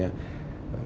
yang harus kita semua